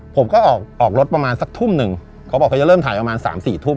ผมก็ออกออกรถประมาณสักทุ่มหนึ่งเขาบอกเขาจะเริ่มถ่ายประมาณสามสี่ทุ่ม